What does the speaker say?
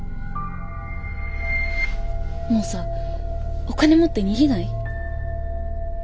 もうさお金持って逃げない？